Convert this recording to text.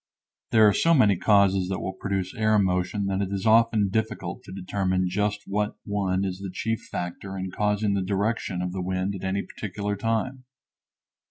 There are so many causes that will produce air motion that it is often difficult to determine just what one is the chief factor in causing the direction of the wind at any particular time.